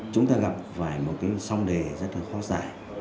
chúng ta gặp phải một cái song đề rất là khó giải